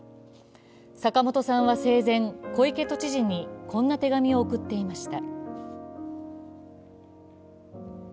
坂本さんは生前、小池都知事にこんな手紙を送っていました。